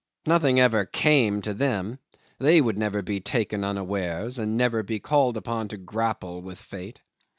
Nothing ever came to them; they would never be taken unawares, and never be called upon to grapple with fate.